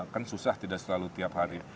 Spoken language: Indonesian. kan susah tidak selalu tiap hari